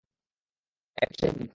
এখনও সেই বকবক।